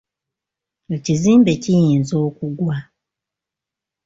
Ekizimbe kiyinza okugwa .